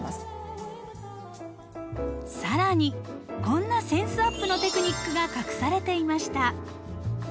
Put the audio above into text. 更にこんなセンスアップのテクニックが隠されていました。